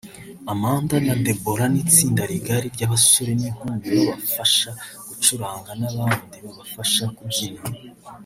Amanda na Deborah n’itsinda rigari ry’abasore n’inkumi babafasha gucuranga n’abandi babafasha kubyina